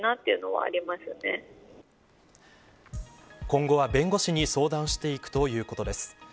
今後は、弁護士に相談していくということです。